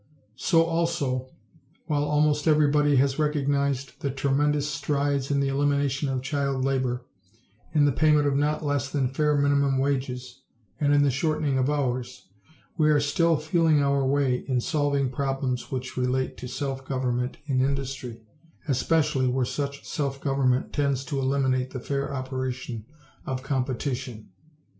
So also, while almost everybody has recognized the tremendous strides in the elimination of child labor, in the payment of not less than fair minimum wages and in the shortening of hours, we are still feeling our way in solving problems which relate to self government in industry, especially where such self government tends to eliminate the fair operation of competition.